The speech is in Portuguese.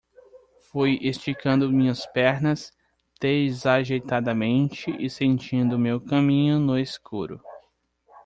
Fui esticando minhas pernas desajeitadamente e sentindo meu caminho no escuro.